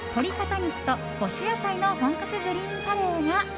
肉と５種野菜の本格グリーンカレーが。